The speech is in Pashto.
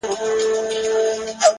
نیک اخلاق د زړونو پلونه جوړوي؛